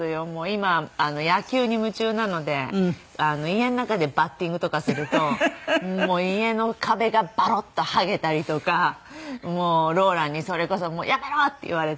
今野球に夢中なので家の中でバッティングとかすると家の壁がボロッと剥げたりとかもうローランにそれこそ「やめろ！」って言われたりとか。